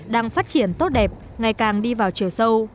đang phát triển tốt đẹp ngày càng đi vào chiều sâu